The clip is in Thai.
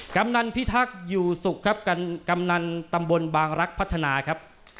กำนันพิทักษ์อยู่สุขครับกำนันตำบลบางรักพัฒนาครับ